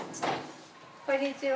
こんにちは。